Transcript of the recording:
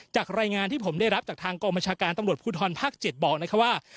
จากรายงานที่ผมได้รับจากทางกองบัญชาการตำรวจภูทรภาค๗บอกนะครับว่า